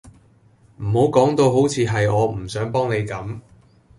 唔好講到好似係我唔想幫你咁